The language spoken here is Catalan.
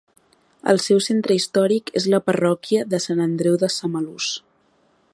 El seu centre històric és la parròquia de Sant Andreu de Samalús.